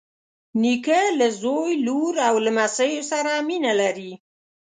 نیکه له زوی، لور او لمسیو سره مینه لري.